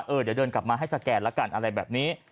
เดี๋ยวเดินกลับมาให้สแกนละกันอะไรแบบนี้